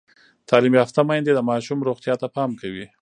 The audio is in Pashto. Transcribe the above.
تعلیم یافته میندې د ماشوم روغتیا ته پام کوي۔